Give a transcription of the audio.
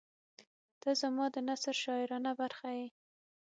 • ته زما د نثر شاعرانه برخه یې.